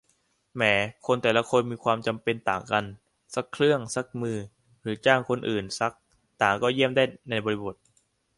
แหม คนแต่ละคนมีความจำเป็นต่างกัน ซักเครื่อง ซักมือ หรือจ้างคนอื่นซัก ต่างก็ 'เยี่ยม' ได้ในบริบท